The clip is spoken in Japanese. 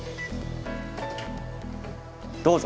どうぞ。